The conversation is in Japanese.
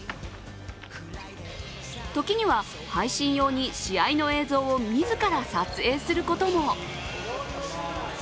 時には、配信用に試合の映像を自ら撮影することも。